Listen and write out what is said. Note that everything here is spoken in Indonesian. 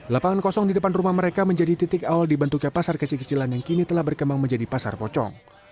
lapangan kosong di depan rumah mereka menjadi titik awal dibentuknya pasar kecil kecilan yang kini telah berkembang menjadi pasar pocong